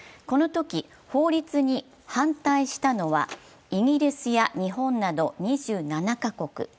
このとき法律に反対したのはイギリスや日本など２７カ国。